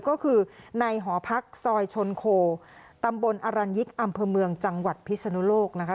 ก็คือในหอพักซอยชนโคตำบลอรัญยิกอำเภอเมืองจังหวัดพิศนุโลกนะคะ